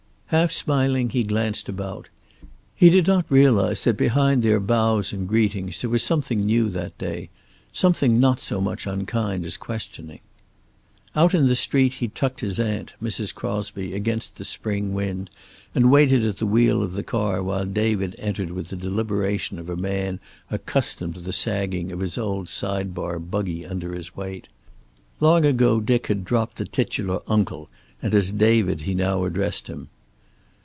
Half smiling, he glanced about. He did not realize that behind their bows and greetings there was something new that day, something not so much unkind as questioning. Outside in the street he tucked his aunt, Mrs. Crosby, against the spring wind, and waited at the wheel of the car while David entered with the deliberation of a man accustomed to the sagging of his old side bar buggy under his weight. Long ago Dick had dropped the titular "uncle," and as David he now addressed him.